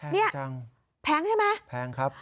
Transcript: แพงจังแพงใช่ไหมแพงครับ